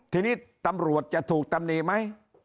ทีนี้ตำรวจจะถูกตำหนิไหม